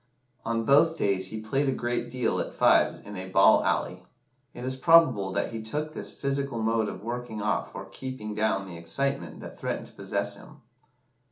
On both days he played a great deal at fives in a ball alley. It is probable that he took this physical mode of working off or keeping down the excitement that threatened to possess him.